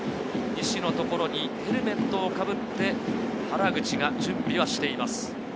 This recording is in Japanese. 西のところにヘルメットをかぶって原口が準備をしています。